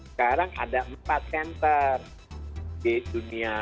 sekarang ada empat center di dunia